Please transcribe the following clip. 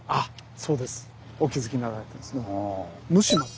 そうです。